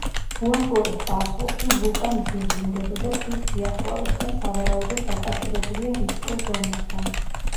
უახლოეს წარსულში ვულკანიზმი ვლინდებოდა ტბის სიახლოვეს და სავარაუდოდ დაკავშირებულია რიფტულ ზონასთან.